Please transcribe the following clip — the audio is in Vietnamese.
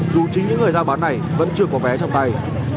dù chính những người ra bán này vẫn chưa có vé trong tay